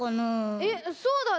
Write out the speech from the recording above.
えっそうだね。